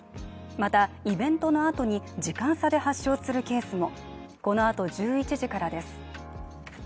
またイベントのあとに時間差で発症するケースも。